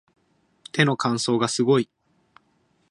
手の乾燥がすごい